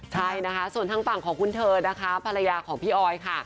ใช่ส่วนทางฝั่งของคุณเธอภรรยาของพี่ออย